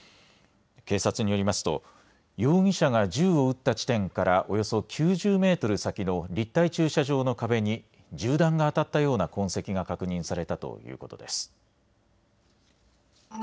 警察によりますと容疑者が銃を撃った地点からおよそ９０メートル先の立体駐車場の壁に銃弾が当たったような痕跡が確認されたということです。